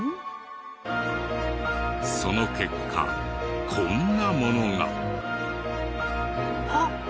その結果こんなものが。はっ！？